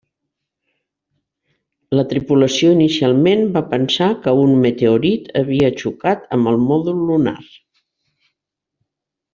La tripulació inicialment va pensar que un meteorit havia xocat amb el mòdul lunar.